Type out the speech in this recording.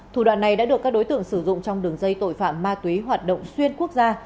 thủ đoạn này đã được các đối tượng sử dụng trong đường dây tội phạm ma túy hoạt động xuyên quốc gia